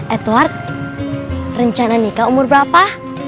edward rencana nikah umur berapa